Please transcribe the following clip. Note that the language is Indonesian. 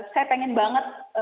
saya pengen banget